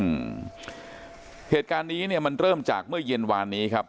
อืมเหตุการณ์นี้เนี้ยมันเริ่มจากเมื่อเย็นวานนี้ครับ